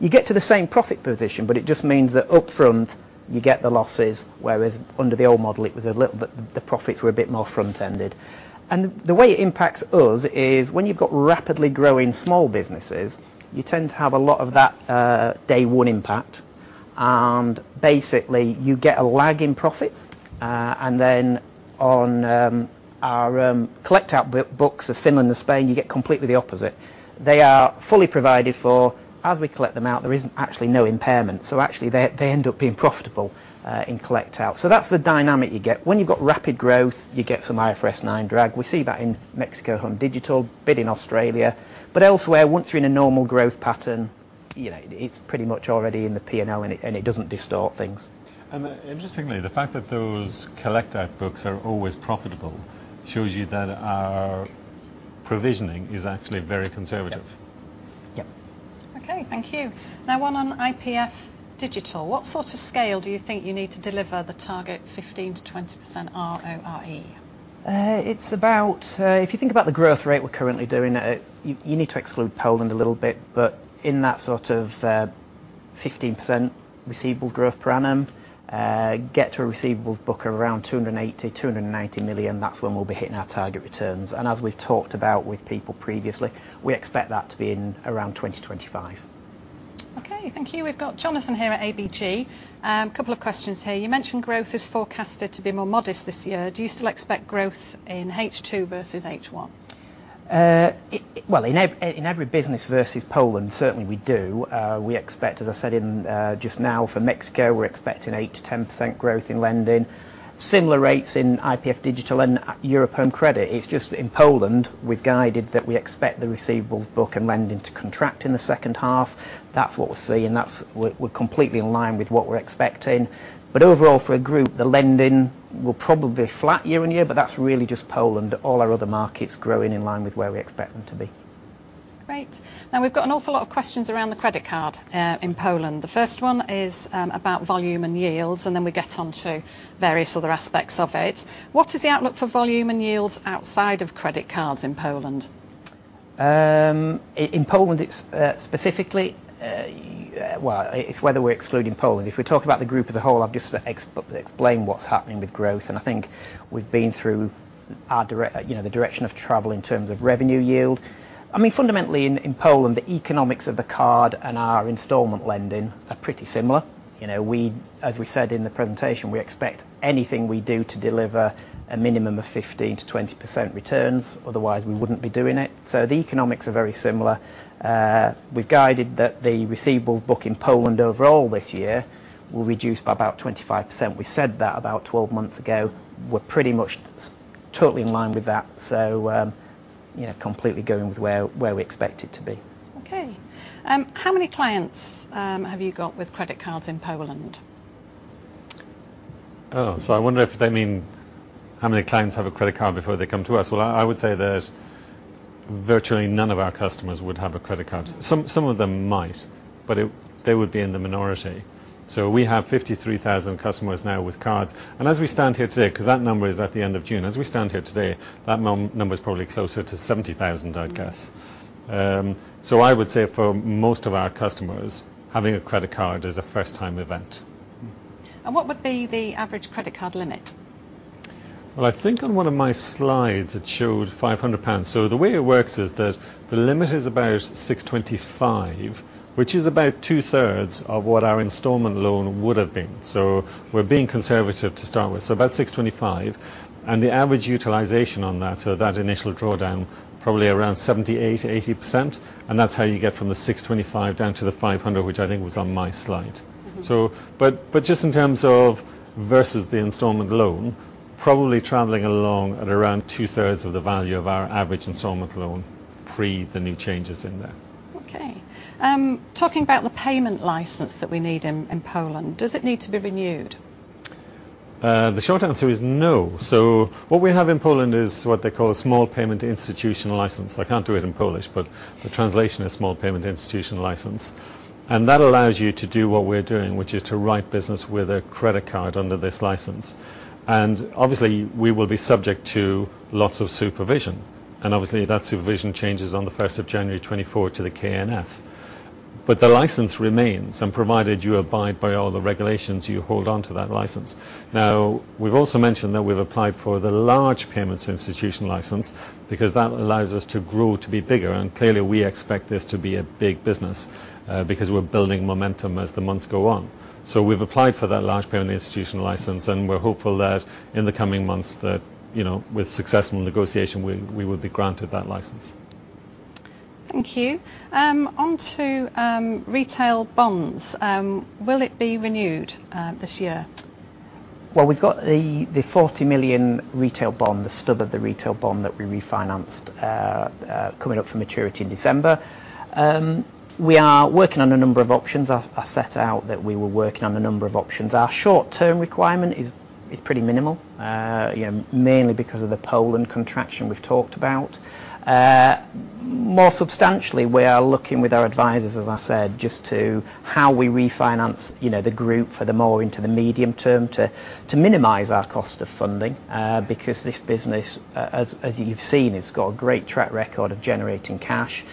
You get to the same profit position, but it just means that upfront, you get the losses, whereas under the old model, it was a little bit, the profits were a bit more front-ended. The way it impacts us is when you've got rapidly growing small businesses, you tend to have a lot of that, day one impact, and basically, you get a lag in profits. Then, on our collect out books of Finland and Spain, you get completely the opposite. They are fully provided for. As we collect them out, there isn't actually no impairment, so actually, they, they end up being profitable in collect out. That's the dynamic you get. When you've got rapid growth, you get some IFRS 9 drag. We see that in Mexico Home Digital, a bit in Australia. Elsewhere, once you're in a normal growth pattern, you know, it's pretty much already in the P&L, and it, and it doesn't distort things. Interestingly, the fact that those collect out books are always profitable shows you that our provisioning is actually very conservative. Yep. Yep. Okay, thank you. Now, one on IPF Digital. What sort of scale do you think you need to deliver the target 15%-20% RORE? It's about, if you think about the growth rate we're currently doing, you, you need to exclude Poland a little bit, but in that sort of, 15% receivables growth per annum, get to a receivables book around 280 million-290 million. That's when we'll be hitting our target returns. As we've talked about with people previously, we expect that to be in around 2025. Okay, thank you. We've got Jonathan here at ABG. Couple of questions here. You mentioned growth is forecasted to be more modest this year. Do you still expect growth in H2 versus H1? Ah, well, in every, in every business versus Poland, certainly, we do. We expect, as I said in, just now, for Mexico, we're expecting 8%-10% growth in lending. Similar rates in IPF Digital and Europe Home Credit. It's just in Poland, we've guided that we expect the receivables book and lending to contract in the second half. That's what we're seeing, that's, we're, we're completely in line with what we're expecting. Overall, for a group, the lending will probably be flat year on year, but that's really just Poland. All our other markets growing in line with where we expect them to be. Great. We've got an awful lot of questions around the credit card, in Poland. The first one is about volume and yields, and then we get on to various other aspects of it. What is the outlook for volume and yields outside of credit cards in Poland? In Poland, it's specifically, well, it's whether we're excluding Poland. If we talk about the group as a whole, I've just explained what's happening with growth, and I think we've been through our dire, you know, the direction of travel in terms of revenue yield. I mean, fundamentally in Poland, the economics of the card and our installment lending are pretty similar. You know, we, as we said in the presentation, we expect anything we do to deliver a minimum of 15%-20% returns, otherwise we wouldn't be doing it. The economics are very similar. We've guided that the receivables book in Poland overall this year will reduce by about 25%. We said that about 12 months ago. We're pretty much totally in line with that. You know, completely going with where, where we expect it to be. Okay. How many clients have you got with credit cards in Poland? I wonder if they mean how many clients have a credit card before they come to us? I would say that virtually none of our customers would have a credit card. Some, some of them might, but it, they would be in the minority. We have 53,000 customers now with cards, and as we stand here today, because that number is at the end of June, as we stand here today, that number is probably closer to 70,000, I'd guess. I would say for most of our customers, having a credit card is a first-time event. What would be the average credit card limit? Well, I think on one of my slides, it showed 500 pounds. The way it works is that the limit is about 625, which is about 2/3 of what our installment loan would have been. We're being conservative to start with. About 625, and the average utilization on that, so that initial drawdown, probably around 70%, 80%, 80%, and that's how you get from the 625 down to the 500, which I think was on my slide. Mm-hmm. Just in terms of versus the installment loan, probably traveling along at around 2/3 of the value of our average installment loan, pre the new changes in there. Okay. Talking about the payment license that we need in, in Poland, does it need to be renewed? The short answer is no. What we have in Poland is what they call a small payment institution license. I can't do it in Polish, but the translation is small payment institution license, and that allows you to do what we're doing, which is to write business with a credit card under this license. Obviously, we will be subject to lots of supervision, and obviously, that supervision changes on the January 1, 2024 to the KNF. The license remains, and provided you abide by all the regulations, you hold on to that license. We've also mentioned that we've applied for the Large Payment Institution license because that allows us to grow, to be bigger, and clearly, we expect this to be a big business because we're building momentum as the months go on. We've applied for that Large Payment Institution license, and we're hopeful that in the coming months that, you know, with successful negotiation, we, we will be granted that license. Thank you. On to retail bonds. Will it be renewed this year? Well, we've got the, the 40 million retail bond, the stub of the retail bond that we refinanced, coming up for maturity in December. We are working on a number of options. I, I set out that we were working on a number of options. Our short-term requirement is, is pretty minimal, you know, mainly because of the Poland contraction we've talked about. More substantially, we are looking with our advisors, as I said, just to how we refinance, you know, the group for the more into the medium term to, to minimize our cost of funding, because this business, as, as you've seen, it's got a great track record of generating cash.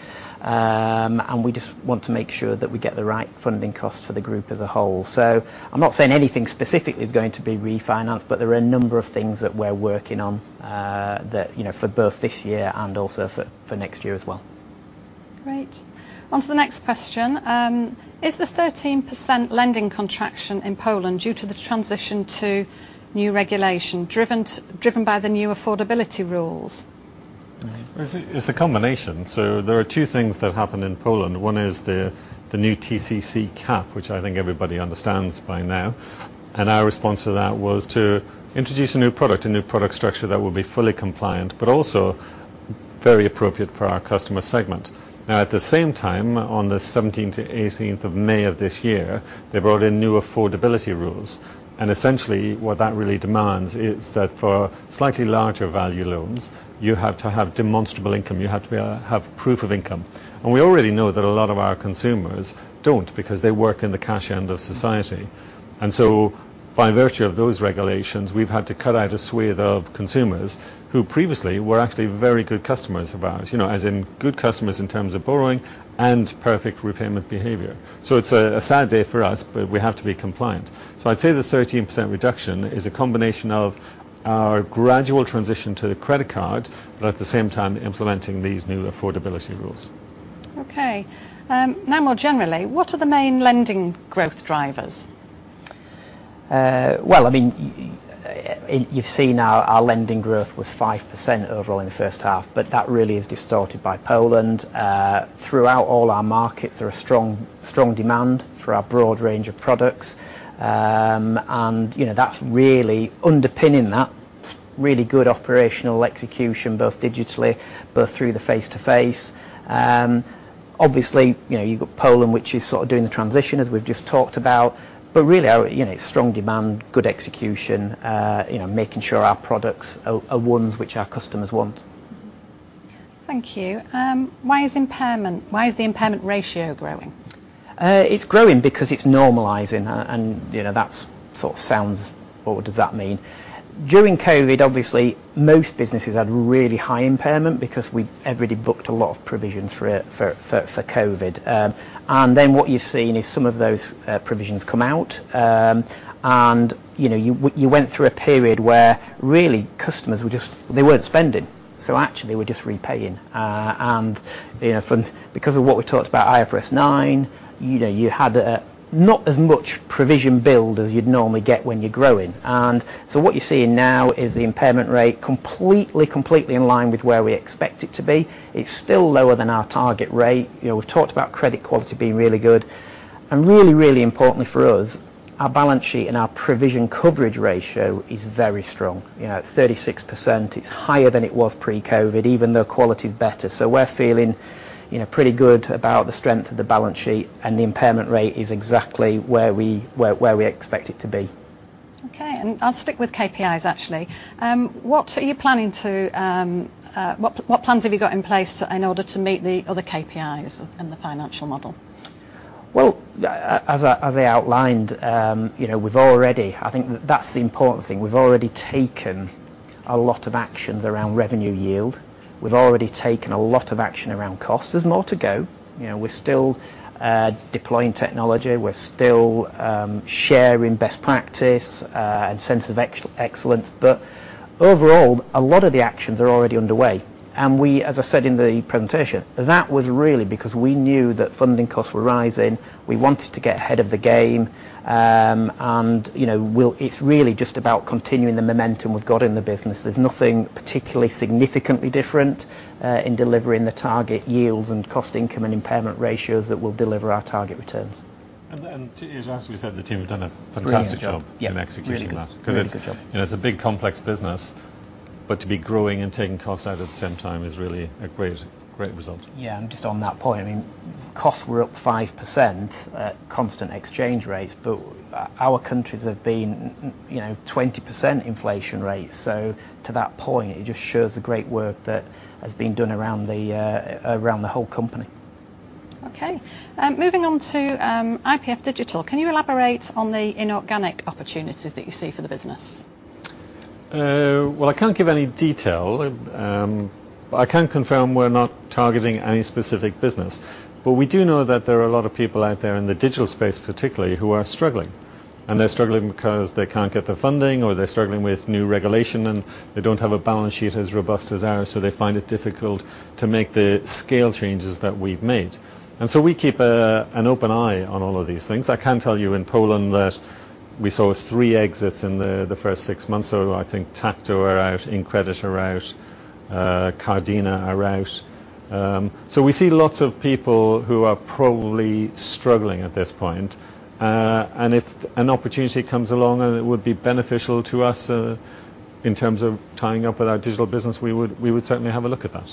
We just want to make sure that we get the right funding cost for the group as a whole. I'm not saying anything specifically is going to be refinanced, but there are a number of things that we're working on, that, you know, for both this year and also for, for next year as well. Great. On to the next question. Is the 13% lending contraction in Poland due to the transition to new regulation, driven by the new affordability rules? It's a combination. There are two things that happened in Poland. One is the, the new TCC cap, which I think everybody understands by now, and our response to that was to introduce a new product, a new product structure that will be fully compliant, but also very appropriate for our customer segment. At the same time, on the May 17-18 of this year, they brought in new affordability rules, and essentially, what that really demands is that for slightly larger value loans, you have to have demonstrable income. You have to be, have proof of income. We already know that a lot of our consumers don't because they work in the cash end of society. By virtue of those regulations, we've had to cut out a swathe of consumers who previously were actually very good customers of ours. You know, as in good customers in terms of borrowing and perfect repayment behavior. It's a sad day for us, but we have to be compliant. I'd say the 13% reduction is a combination of our gradual transition to the credit card, but at the same time, implementing these new affordability rules. Okay. Now, more generally, what are the main lending growth drivers? Well, I mean, you've seen our, our lending growth was 5% overall in the first half, but that really is distorted by Poland. Throughout all our markets, there are strong, strong demand for our broad range of products. You know, that's really underpinning that really good operational execution, both digitally, both through the face-to-face. Obviously, you know, you've got Poland, which is sort of doing the transition, as we've just talked about, but really, our, you know, strong demand, good execution, you know, making sure our products are, are ones which our customers want. Thank you. Why is the impairment ratio growing? It's growing because it's normalizing, and, you know, that's sort of sounds, What does that mean? During COVID, obviously, most businesses had really high impairment because we everybody booked a lot of provisions for, for COVID. Then what you've seen is some of those provisions come out, and, you know, you went through a period where really customers were just, they weren't spending. Actually, we're just repaying. You know, from, because of what we talked about, IFRS 9, you know, you had not as much provision build as you'd normally get when you're growing. What you're seeing now is the impairment rate completely, completely in line with where we expect it to be. It's still lower than our target rate. You know, we've talked about credit quality being really good, and really, really importantly for us, our balance sheet and our provision coverage ratio is very strong. You know, at 36%, it's higher than it was pre-COVID, even though quality is better. We're feeling, you know, pretty good about the strength of the balance sheet, and the impairment rate is exactly where we expect it to be. Okay. I'll stick with KPIs, actually. What are you planning to, what, what plans have you got in place in order to meet the other KPIs in the financial model? Well, as I, as I outlined, you know, we've already. I think that that's the important thing. We've already taken a lot of actions around revenue yield. We've already taken a lot of action around costs. There's more to go. You know, we're still deploying technology. We're still sharing best practice and centers of excellence. Overall, a lot of the actions are already underway, and we, as I said in the presentation, that was really because we knew that funding costs were rising. We wanted to get ahead of the game. You know, it's really just about continuing the momentum we've got in the business. There's nothing particularly significantly different in delivering the target yields and cost-income and impairment ratios that will deliver our target returns. As we said, the team have done a fantastic job. Brilliant job. In executing that. Really good job. Because it's, you know, it's a big, complex business, but to be growing and taking costs out at the same time is really a great, great result. Yeah, just on that point, I mean, costs were up 5% at constant exchange rates, but our countries have been, you know, 20% inflation rates. To that point, it just shows the great work that has been done around the, around the whole company. Okay. Moving on to IPF Digital. Can you elaborate on the inorganic opportunities that you see for the business? Well, I can't give any detail. I can confirm we're not targeting any specific business. We do know that there are a lot of people out there in the digital space, particularly, who are struggling, and they're struggling because they can't get the funding, or they're struggling with new regulation, and they don't have a balance sheet as robust as ours, so they find it difficult to make the scale changes that we've made. So we keep an open eye on all of these things. I can tell you in Poland that we saw three exits in the first six months. I think Tatco are out, inCredit are out, Cardina are out. We see lots of people who are probably struggling at this point. If an opportunity comes along and it would be beneficial to us, in terms of tying up with our digital business, we would, we would certainly have a look at that.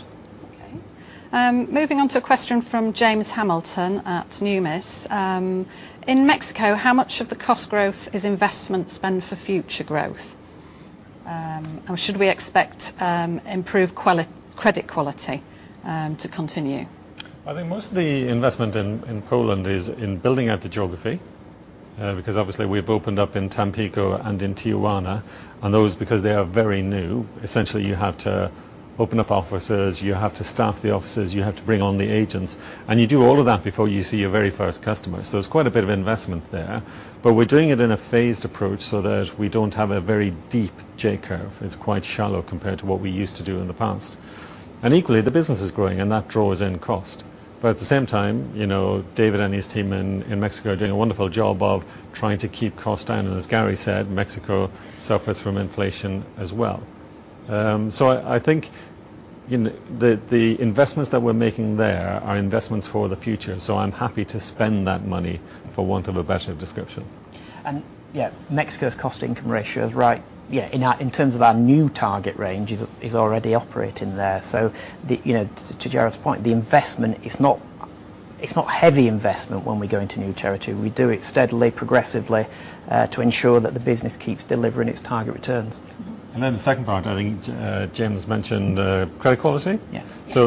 Okay. Moving on to a question from James Hamilton at Numis. In Mexico, how much of the cost growth is investment spend for future growth? Should we expect improved credit quality to continue? I think most of the investment in, in Poland is in building out the geography, because obviously, we've opened up in Tampico and in Tijuana, and those, because they are very new. Essentially, you have to open up offices, you have to staff the offices, you have to bring on the agents, and you do all of that before you see your very first customer. There's quite a bit of investment there, but we're doing it in a phased approach so that we don't have a very deep J-curve. It's quite shallow compared to what we used to do in the past. Equally, the business is growing, and that draws in cost. At the same time, you know, David and his team in, in Mexico are doing a wonderful job of trying to keep costs down, and as Gary said, Mexico suffers from inflation as well. I, I think, you know, the, the investments that we're making there are investments for the future, so I'm happy to spend that money, for want of a better description. Yeah, Mexico's cost-income ratio is right. Yeah, in our, in terms of our new target range, is already operating there. The, you know, to Gerard's point, the investment is not. It's not heavy investment when we go into new territory. We do it steadily, progressively, to ensure that the business keeps delivering its target returns. Then the second part, I think, James mentioned, credit quality? Yeah.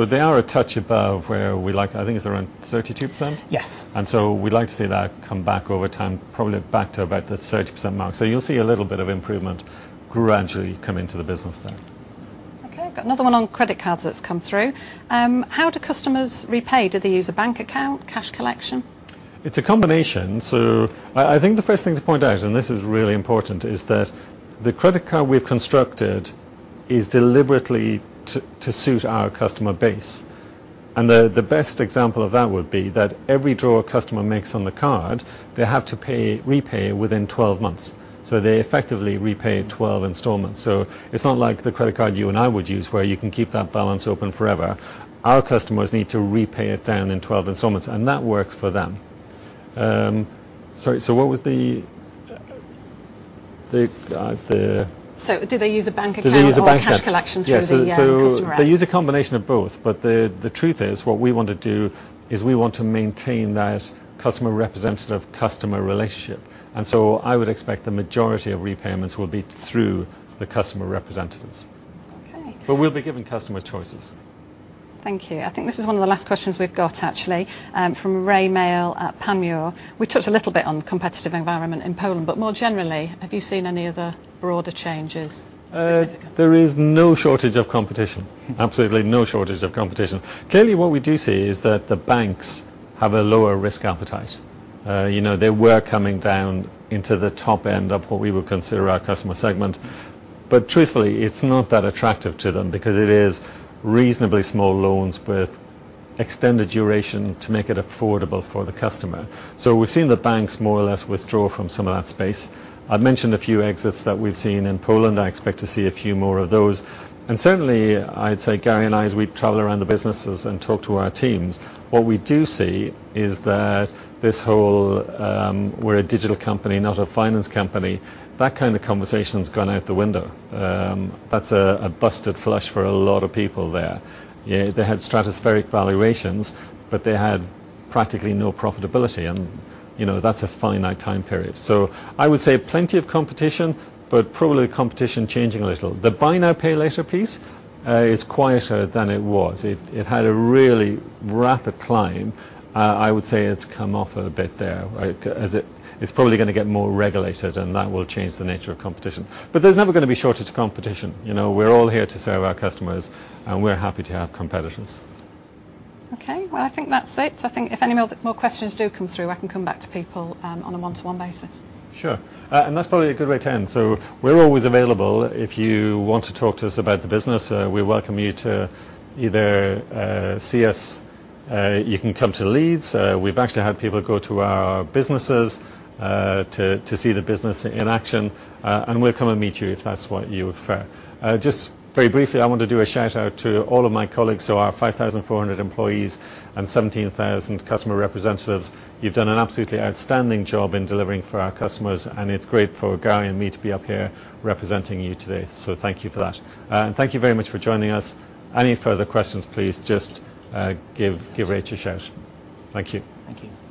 They are a touch above where we like. I think it's around 32%? Yes. We'd like to see that come back over time, probably back to about the 30% mark. You'll see a little bit of improvement gradually come into the business there. Okay, I've got another one on credit cards that's come through. How do customers repay? Do they use a bank account, cash collection? It's a combination. I think the first thing to point out, and this is really important, is that the credit card we've constructed is deliberately to suit our customer base, and the best example of that would be that every draw a customer makes on the card, they have to repay within 12 months. They effectively repay 12 installments. It's not like the credit card you and I would use, where you can keep that balance open forever. Our customers need to repay it down in 12 installments, and that works for them. Sorry, what was the? Do they use a bank account? Do they use a bank account? Or a cash collection through the customer rep? Yeah. They use a combination of both. The truth is, what we want to do is we want to maintain that customer representative-customer relationship. I would expect the majority of repayments will be through the customer representatives. Okay. We'll be giving customers choices. Thank you. I think this is one of the last questions we've got, actually, from Rae Maile at Panmure. We touched a little bit on the competitive environment in Poland, but more generally, have you seen any other broader changes significantly? There is no shortage of competition. Mm. Absolutely no shortage of competition. Clearly, what we do see is that the banks have a lower risk appetite. You know, they were coming down into the top end of what we would consider our customer segment, but truthfully, it's not that attractive to them because it is reasonably small loans with extended duration to make it affordable for the customer. So we've seen the banks more or less withdraw from some of that space. I've mentioned a few exits that we've seen in Poland. I expect to see a few more of those. Certainly, I'd say Gary and I, as we travel around the businesses and talk to our teams, what we do see is that this whole, we're a digital company, not a finance company, that kind of conversation's gone out the window. That's a, a busted flush for a lot of people there. Yeah, they had stratospheric valuations, but they had practically no profitability and, you know, that's a finite time period. I would say plenty of competition, but probably competition changing a little. The buy now, pay later piece is quieter than it was. It had a really rapid climb. I would say it's come off a bit there, right? As it's probably gonna get more regulated, and that will change the nature of competition. There's never gonna be shortage of competition, you know. We're all here to serve our customers, and we're happy to have competitors. Okay, well, I think that's it. I think if any more, more questions do come through, I can come back to people on a one-to-one basis. Sure. And that's probably a good way to end. We're always available. If you want to talk to us about the business, we welcome you to either see us. You can come to Leeds. We've actually had people go to our businesses to, to see the business in action, and we'll come and meet you if that's what you would prefer. Just very briefly, I want to do a shout-out to all of my colleagues, so our 5,400 employees and 17,000 customer representatives. You've done an absolutely outstanding job in delivering for our customers, and it's great for Gary and me to be up here representing you today. Thank you for that. And thank you very much for joining us. Any further questions, please just give, give Rachel a shout. Thank you. Thank you. Thank you.